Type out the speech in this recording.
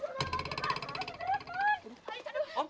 aduh cepetan cepetan